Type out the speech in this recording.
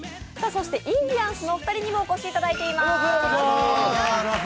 そしてインディアンスのお二人にもお越しいただいています。